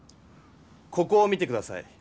ここを見て下さい。